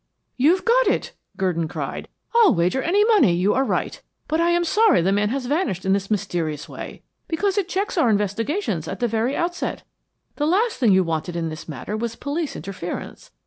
"You've got it," Gurdon cried. "I'll wager any money, you are right. But I am sorry the man has vanished in this mysterious way, because it checks our investigations at the very outset. The last thing you wanted in this matter was police interference.